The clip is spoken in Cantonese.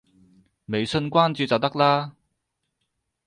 微信關注就得啦